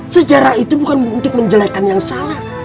sejarah itu bukan untuk menjelekan yang salah